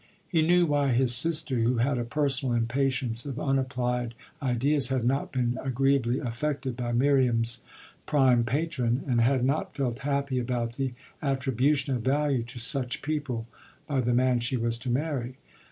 He knew why his sister, who had a personal impatience of unapplied ideas, had not been agreeably affected by Miriam's prime patron and had not felt happy about the attribution of value to "such people" by the man she was to marry.